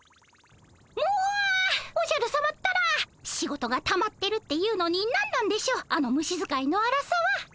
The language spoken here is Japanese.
もうおじゃるさまったら仕事がたまってるっていうのに何なんでしょうあの虫使いのあらさは！